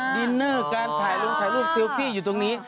ดินเนอร์กันถ่ายรูปซิลฟี่อยู่ตรงนี้